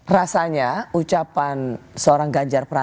rasanya ucapan seorang ganjar pranowo